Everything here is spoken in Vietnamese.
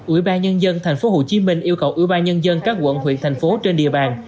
ủy ban nhân dân tp hcm yêu cầu ủy ban nhân dân các quận huyện thành phố trên địa bàn